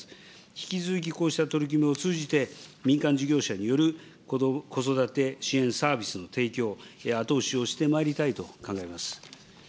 引き続きこうした取り組みを通じて、民間事業者による子育て支援サービスの提供、後押しをしていただきたいと考えます。